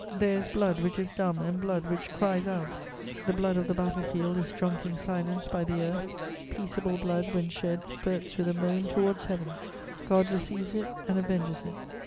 There is blood which is dumb and blood which cries out: the blood of the battle field is drunk in silence by the earth; peaceable blood when shed spurts with a moan towards Heaven; God receives it and avenges it.